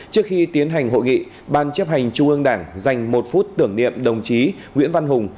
trước khi tiến hành hội nghị ban chấp hành trung ương đảng dành một phút tưởng niệm đồng chí nguyễn văn hùng